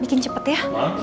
bikin cepet ya